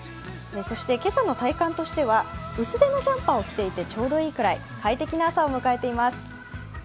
今朝の体幹としては、薄手のジャンパーを着ていてちょうどいいくらい、快適な朝を迎えています。